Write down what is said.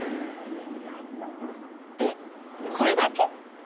えっこれだけ？